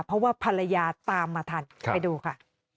เพราะว่าภรรยาตามมาทันไปดูค่ะ